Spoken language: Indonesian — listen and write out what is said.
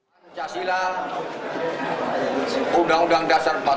pancasila undang undang dasar empat puluh lima